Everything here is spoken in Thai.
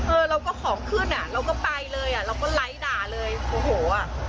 เออเราก็ของขึ้นอ่ะเราก็ไปเลยอ่ะเราก็ไลค์ด่าเลยโอ้โหอ่ะ